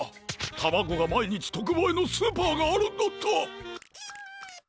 たまごがまいにちとくばいのスーパーがあるんだった！